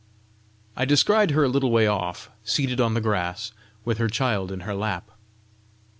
I descried her a little way off, seated on the grass, with her child in her lap.